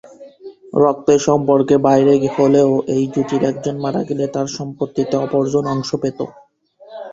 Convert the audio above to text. রক্তের সম্পর্কের বাইরে হলেও এই জুটির একজন মারা গেলে তার সম্পত্তিতে অপরজন অংশ পেত।